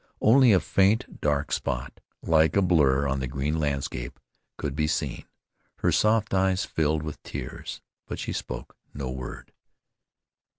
Only a faint, dark spot, like a blur on the green landscape, could be seen. Her soft eyes filled with tears; but she spoke no word.